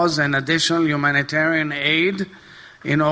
dan bantuan humanitaris tambahan